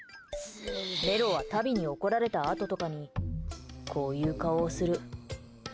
メロはタビに怒られたあととかにこういう顔をする。